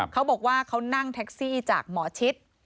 เขาบอกว่าเขานั่งแท็กซี่จากหมอชิด